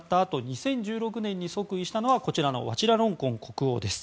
２０１６年に即位したのがワチラロンコン国王です。